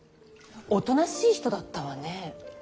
おとなしい人だったわね。